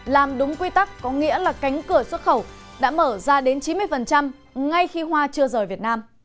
làm đúng quy tắc có nghĩa là cánh cửa xuất khẩu đã mở ra đến chín mươi ngay khi hoa chưa rời việt nam